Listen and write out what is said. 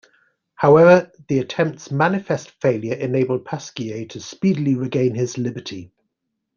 However, the attempt's manifest failure enabled Pasquier to speedily regain his liberty.